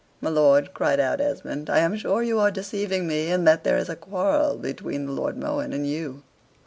"My lord," cried out Esmond, "I am sure you are deceiving me, and that there is a quarrel between the Lord Mohun and you."